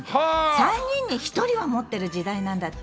３人に１人は持ってる時代なんだって。